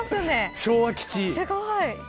昭和基地